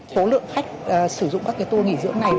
số lượng khách sử dụng các tour nghỉ dưỡng này